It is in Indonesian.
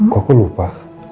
kok aku lupa